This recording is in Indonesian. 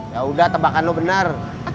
ya udah tembakan lo bener